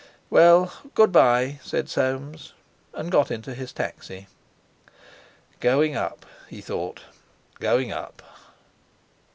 "Well, good bye!" said Soames, and got into his taxi. 'Going up!' he thought; 'going up!'